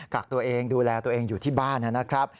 กักตัวเองดูแลตัวเองอยู่ที่บ้านนะครับ